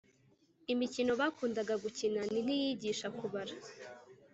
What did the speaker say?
imikino bakundga gukina ni nk’iyigisha kubara,